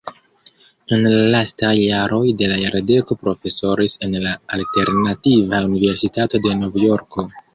En la lastaj jaroj de la jardeko profesoris en la Alternativa Universitato de Novjorko.